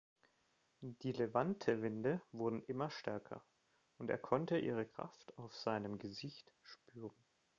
Die Levante-Winde wurden immer stärker, und er konnte ihre Kraft auf seinem Gesicht spüren.